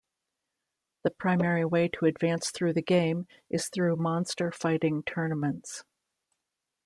The primary way to advance through the game is through monster fighting tournaments.